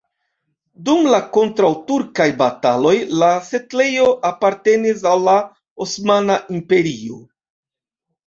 Dum la kontraŭturkaj bataloj la setlejo apartenis al la Osmana Imperio.